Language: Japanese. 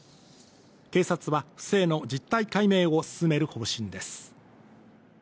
警察は不正の実態解明を進める方針です。